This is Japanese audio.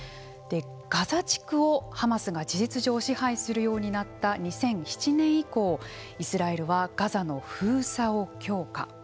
ガザ地区をハマスが事実上支配するようになった２００７年以降イスラエルはガザの封鎖を強化。